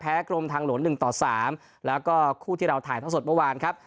แพ้กรมทางหลวนหนึ่งต่อสามแล้วก็คู่ที่เราถ่ายท่าสดเมื่อวานครับ